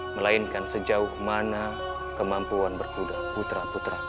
melainkan sejauh mana kemampuan berkuda putra putra